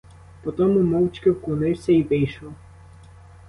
Потому мовчки вклонився й вийшов.